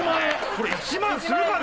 これ１万するかね？